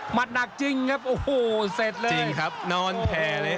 หนักจริงครับโอ้โหเสร็จเลยจริงครับนอนแผ่เลย